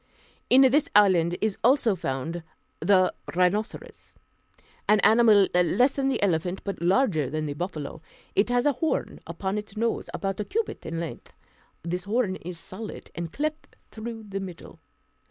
In this island is also found the rhinoceros, an animal less than the elephant, but larger than the buffalo. It has a horn upon its nose, about a cubit in length; this horn is solid, and cleft through the middle.